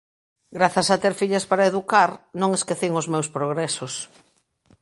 Grazas a ter fillas para educar, non esquecín os meus progresos…